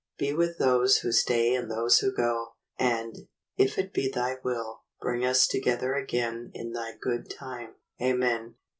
Be with those who stay and those who go, and, if it be Thy will, bring us to gether again in Thy good time. Amen."